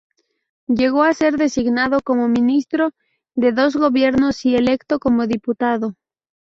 Llegó a ser designado como ministro de dos gobiernos y electo como diputado.